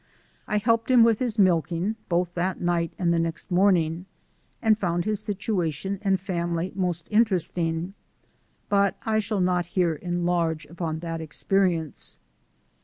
I helped him with his milking both that night and the next morning, and found his situation and family most interesting but I shall not here enlarge upon that experience.